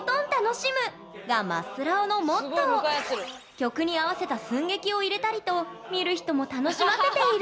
曲に合わせた寸劇を入れたりと見る人も楽しませている。